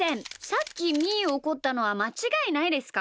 さっきみーをおこったのはまちがいないですか？